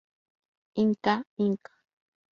Ink Inc.